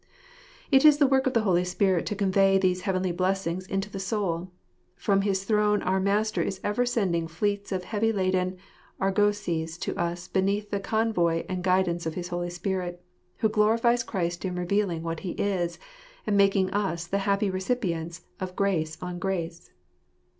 It is the work of the Holy Spirit to convey these heavenly blessings into the soul. From his throne our Master is ever sending fleets of heavy laden argosies to us beneath the convoy and guidance of the Holy Spirit, who glorifies Christ in revealing what He is, and making us the happy recipients of grace on grace.